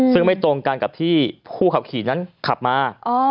ซึ่งไม่ตรงกันกับที่ผู้ขับขี่นั้นขับมา